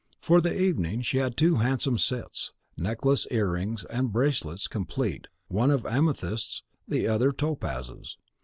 For the evening she had two handsome sets, necklace, earrings, and bracelets complete, one of amethysts, the other topazes.